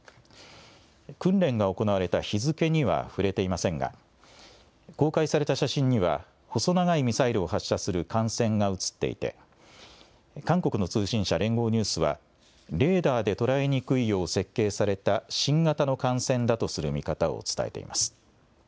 訓練が行われた日付には触れていませんが、公開された写真には、細長いミサイルを発射する艦船が写っていて、韓国の通信社、連合ニュースはレーダーで捉えにくいよう設計された新型の艦船だとする見方を伝えています。